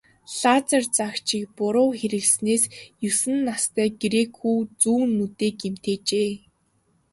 Лазер заагчийг буруу хэрэглэснээс есөн настай грек хүү зүүн нүдээ гэмтээжээ.